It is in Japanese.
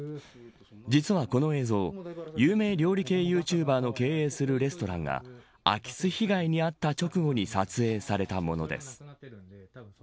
実はこの映像有名料理系ユーチューバーの経営するレストランが空き巣被害に遭った直後に撮影されたものです。